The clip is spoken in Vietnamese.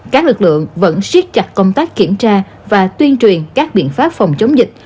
các lực lượng vẫn siết chặt công tác kiểm tra và tuyên truyền các biện pháp phòng chống dịch